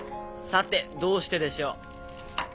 さてどうしてでしょう？